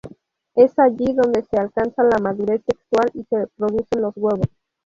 Es allí donde se alcanza la madurez sexual y se producen los huevos.